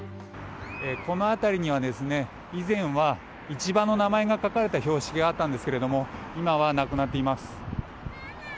この辺りには、以前は市場の名前が書かれた標識があったんですが今はなくなっています。